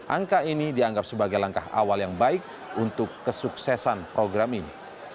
angka ini dianggap sebagai langkah awal yang baik untuk kesuksesan program ini